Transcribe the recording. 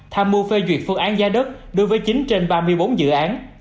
tham mưu phê duyệt phương án giá đất đối với chín trên ba mươi bốn dự án